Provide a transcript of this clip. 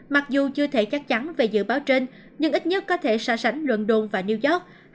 mặc dù chưa thể chắc chắn về dự báo trên nhưng ít nhất có thể xa sánh london và new york